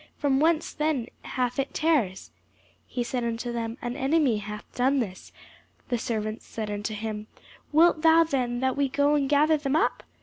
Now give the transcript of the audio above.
from whence then hath it tares? He said unto them, An enemy hath done this. The servants said unto him, Wilt thou then that we go and gather them up?